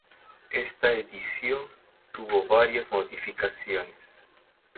Esta edición tuvo varias modificaciones.